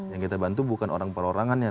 yang kita bantu bukan orang perorangannya